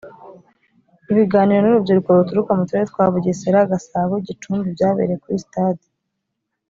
ibiganiro n’ urubyiruko ruturuka mu turere twa bugesera gasabo gicumbi byabereye kuri sitade